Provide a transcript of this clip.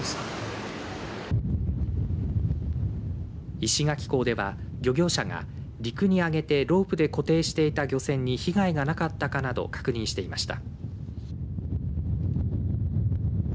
石垣港では、漁業者が陸に揚げてロープで固定していた漁船に被害がなかったかなどを確認していました。